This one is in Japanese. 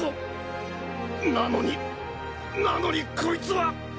なのになのにコイツは。